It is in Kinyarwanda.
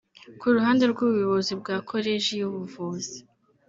Ku ruhande rw’ubuyobozi bwa Koleji y’ubuvuzi